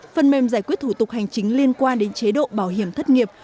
phần mềm giải quyết thủ tục hành chính liên quan đến chế độ bảo hiểm thất nghiệp